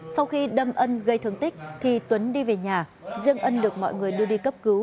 sau khi đâm ân gây thương tích thì tuấn đi về nhà riêng ân được mọi người đưa đi cấp cứu